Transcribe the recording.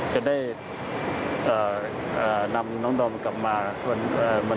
จะได้นำน้องดอมกลับมา